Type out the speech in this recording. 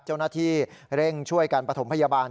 เจ้าหน้าที่เร่งช่วยกันประถมพยาบาล